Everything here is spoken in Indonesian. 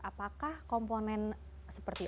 apakah komponen seperti